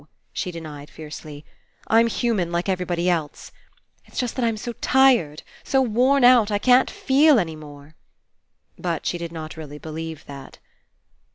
'^ she denied fiercely. "I'm human 199 PASSING like everybody else. It's just that rm so tired, so worn out, I can't feel any more." But she did not really believe that.